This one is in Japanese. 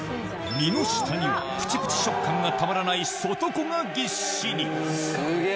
身の下にはプチプチ食感がたまらない外子がぎっしりすげぇ！